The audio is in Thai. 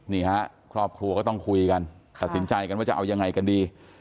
นี่ฮะครอบครัวก็ต้องคุยกันตัดสินใจกันว่าจะเอายังไงกันดี